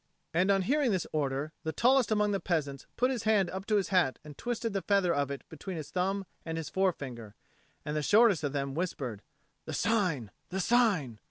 And on hearing this order, the tallest among the peasants put his hand up to his hat and twisted the feather of it between his thumb and his forefinger: and the shortest of them whispered, "The sign! The sign!"